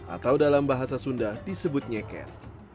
atau dalam bahasa sunda disebut nyeker